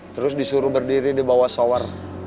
terus disuruh berdiri di bawah solar